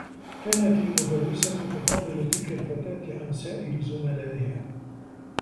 كانت المدرّسة تفضّل تلك الفتاة عن سائر زملائها.